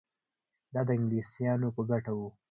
دا د انګلیسیانو په ګټه وه.